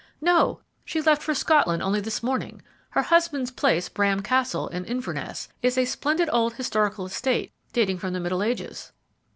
"No, she left for Scotland only this morning. Her husband's place, Bram Castle, in Inverness, is a splendid old historical estate dating from the Middle Ages."